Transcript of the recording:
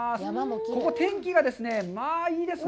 ここ、天気がですね、まあ、いいですね。